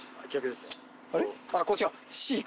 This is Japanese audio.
あっこっちか。